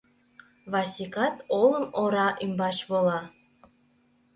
Васикат олым ора ӱмбач вола.